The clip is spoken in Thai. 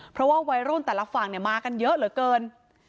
เพราะว่าวัยรุ่นแต่ละฝั่งมากันเยอะเหลือเกิน